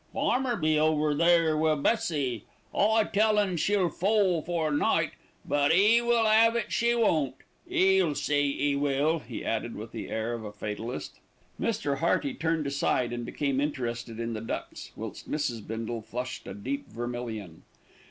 "Farmer be over there wi' Bessie. I tell un she'll foal' fore night; but 'e will 'ave it she won't. 'E'll see. 'E will," he added with the air of a fatalist. Mr. Hearty turned aside and became interested in the ducks, whilst Mrs. Bindle flushed a deep vermilion.